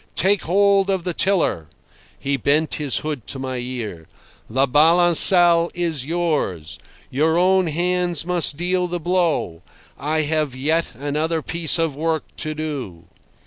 "Take hold of the tiller." He bent his hood to my ear. "The balancelle is yours. Your own hands must deal the blow. I—I have yet another piece of work to do."